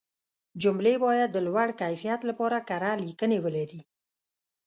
جملې باید د لوړ کیفیت لپاره کره لیکنې ولري.